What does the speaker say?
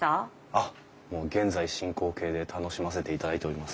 あっもう現在進行形で楽しませていただいております。